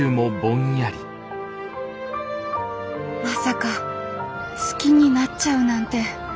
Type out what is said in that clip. まさか好きになっちゃうなんて。